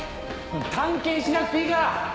探検しなくていいから。